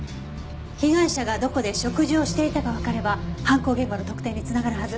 被害者がどこで食事をしていたかわかれば犯行現場の特定に繋がるはず。